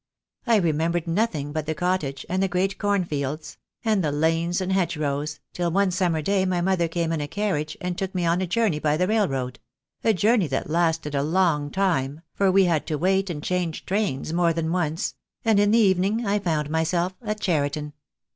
I remembered nothing but the cottage, and the great cornfields, and the lanes and hedgerows, till one summer day my mother came in a carriage, and took me on a journey by the railroad — a journey that lasted a long time, for we had to wait and change trains more than once — and in the evening I found myself at Cheriton.